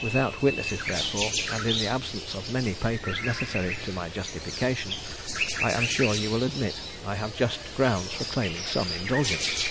Without witnesses, therefore, and in the absence of many papers necessary to my justification, I am sure you will admit I have just grounds for claiming some indulgence.